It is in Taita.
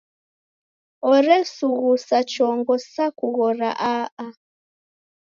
Oresughusa chongo sa kughora a-a.